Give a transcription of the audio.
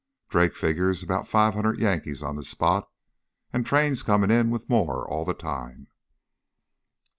Drake figures about five hundred Yankees on the spot, and trains comin' in with more all the time."